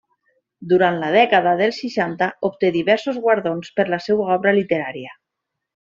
Durant la dècada dels seixanta obté diversos guardons per la seua obra literària.